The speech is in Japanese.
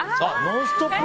「ノンストップ！」